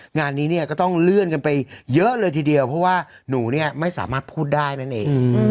งานนี้เนี่ยก็ต้องเลื่อนกันไปเยอะเลยทีเดียวเพราะว่าหนูเนี่ยไม่สามารถพูดได้นั่นเอง